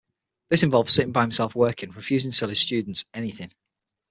This involved sitting by himself working, refusing to tell his students anything.